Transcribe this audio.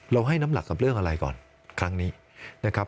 ให้น้ำหนักกับเรื่องอะไรก่อนครั้งนี้นะครับ